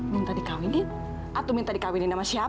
minta dikawinin atau minta dikawinin sama siapa